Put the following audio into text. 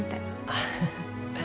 アハハ。